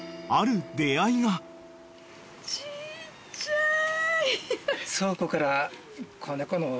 ちっちゃい！